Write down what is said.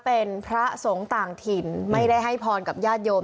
เป็นพระสงฆ์ต่างถิ่นไม่ได้ให้พรกับญาติโยม